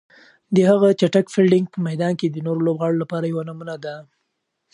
د هغه چټک فیلډینګ په میدان کې د نورو لوبغاړو لپاره یوه نمونه ده.